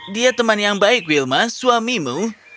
dia teman yang baik wilma suamimu